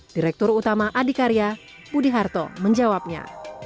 direktur utama adhikarya budi harto menjawabnya